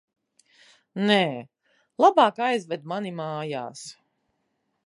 Nē, labāk aizved mani mājās.